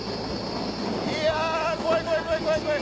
いや怖い怖い怖い怖い怖い。